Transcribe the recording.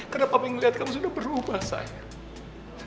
karena papi ngeliat kamu sudah berubah sayang